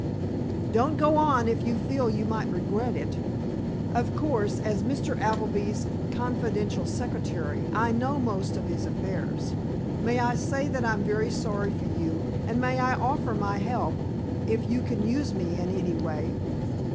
"Don't go on, if you feel you might regret it. Of course, as Mr. Appleby's confidential secretary, I know most of his affairs. May I say that I'm very sorry for you, and may I offer my help, if you can use me in any way?"